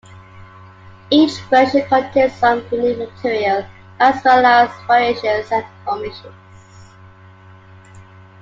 Each version contains some unique material, as well as variations and omissions.